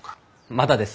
まだです。